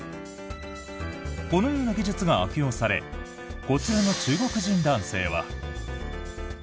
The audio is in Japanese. このような技術が悪用されこちらの中国人男性は。